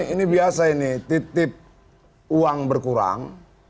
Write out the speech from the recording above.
ini biasa ini titip uang berkurang